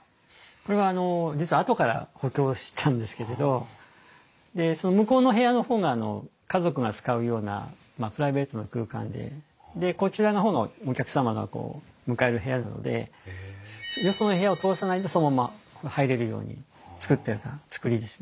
これはあの実はあとから補強したんですけれどで向こうの部屋の方が家族が使うようなプライベートな空間ででこちらの方がお客様がこう迎える部屋なのでよその部屋を通さないでそのまんま入れるように造ってた造りですね。